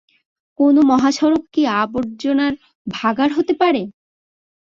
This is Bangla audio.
কোনো মহাসড়ক কি আবর্জনার ভাগাড় হতে পারে?